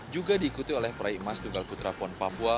juga diikuti oleh praik mas tugalkutra pond papua